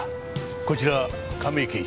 こちら亀井刑事。